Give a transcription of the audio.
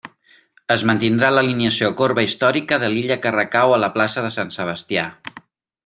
Es mantindrà l'alineació corba històrica de l'illa que recau a la plaça de Sant Sebastià.